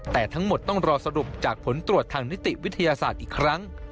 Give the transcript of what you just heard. แต่ทั้งหมดต้องรอสรุปจากผลตรวจทางนิติวิทยาศาสตร์อีกครั้ง